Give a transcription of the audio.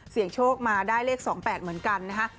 เสี่ยงโชคมาได้เลขสองแปดเหมือนกันนะคะ